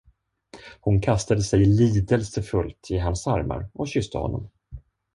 Hon kastade sig lidelsefullt i hans armar och kysste honom.